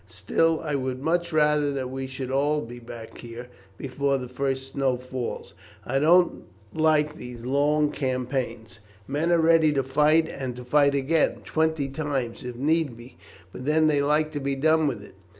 Still, I would much rather that we should all be back here before the first snow falls. I don't like these long campaigns. Men are ready to fight, and to fight again, twenty times if need be, but then they like to be done with it.